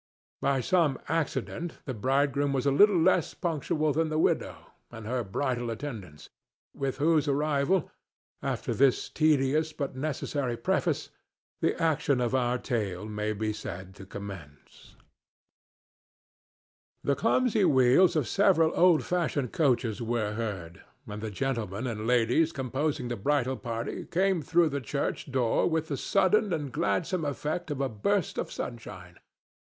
By some accident the bridegroom was a little less punctual than the widow and her bridal attendants, with whose arrival, after this tedious but necessary preface, the action of our tale may be said to commence. The clumsy wheels of several old fashioned coaches were heard, and the gentlemen and ladies composing the bridal party came through the church door with the sudden and gladsome effect of a burst of sunshine.